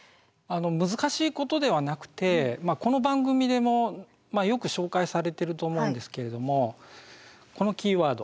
難しいことではなくてこの番組でもよく紹介されてると思うんですけれどもこのキーワード。